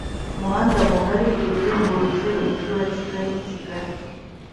umuhanda mugari uzengurutse umujyi wa kigali kigali